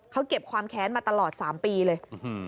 เขาเก็บความแค้นมาตลอด๓ปีเลย